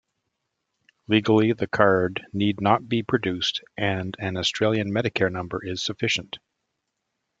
Legally, the card need not be produced and an Australian Medicare number is sufficient.